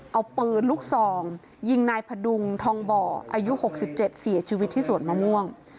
เอาปืนลูกซองยิงนายพดุงทองบ่ออายุ๖๗เสียชีวิตที่สวนมะม่วง